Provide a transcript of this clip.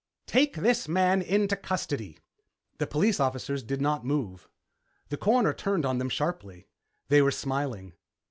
"Take this man into custody." The police officers did not move. The Coroner turned on them sharply. They were smiling.